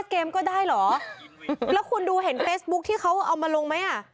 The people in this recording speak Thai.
เล่าคุณดูเห็นเพซสบุ๊คที่เขาเอามาลงไหม